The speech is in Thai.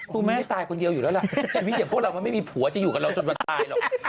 คุณแม่ตายคนเดียวอยู่แล้วล่ะชีวิตอย่างพวกเรามันไม่มีผัวจะอยู่กับเราจนวันตายหรอก